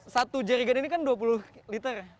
satu jarigan ini kan dua puluh liter